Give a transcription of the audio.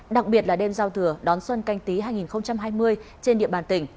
đặc biệt là đêm giao thừa đón xuân canh tí hai nghìn hai mươi trên địa bàn tỉnh